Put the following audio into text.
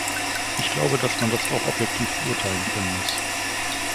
Ich glaube, dass man das auch objektiv beurteilen können muss.